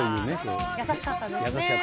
優しかったですね。